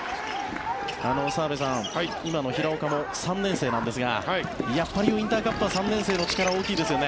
澤部さん、今の平岡も３年生なんですがやっぱりウインターカップは３年生の力、大きいですよね。